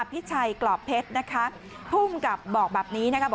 พี่ชัยกรอบเพชรนะคะภูมิกับบอกแบบนี้นะคะ